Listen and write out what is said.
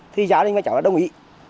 thì gia đình và cháu đã đồng ý